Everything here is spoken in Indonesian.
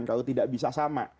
kalau tidak bisa sama